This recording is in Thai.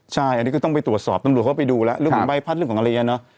ใช่อันนี้ก็ต้องไปตรวจสอบตำรวจเขาไปดูแล้วเรื่องของใบพัดเรื่องของอะไรอย่างนี้เนอะ